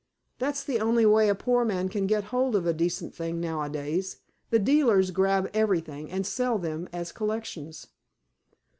"That's the only way a poor man can get hold of a decent thing nowadays. The dealers grab everything, and sell them as collections."